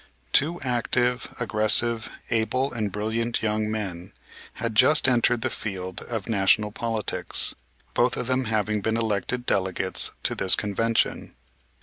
Two active, aggressive, able and brilliant young men had just entered the field of national politics, both of them having been elected delegates to this convention.